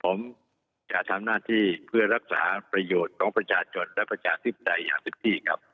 ผมจะทำหน้าที่เพื่อรักษาประโยชน์ของประชาชนและประชาธิปไตยอย่างเต็มที่ครับ